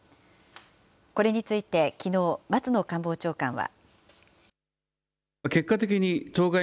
これについてきのう、松野官房長官は。